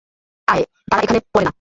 তারা এখানে পড়েনা।